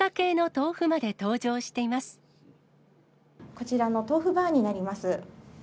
こちらのトウフバーになります。